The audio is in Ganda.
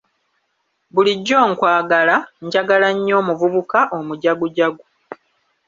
Bulijjo nkwagala, njagala nnyo omuvubuka omujagujagu.